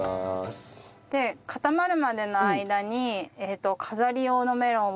で固まるまでの間に。